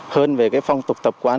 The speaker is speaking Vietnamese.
hơn về cái phong tục tập quán